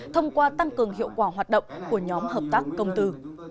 thông qua tăng cường hiệu quả hoạt động của nhóm hợp tác công tư